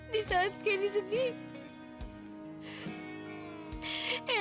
di saat candy sedih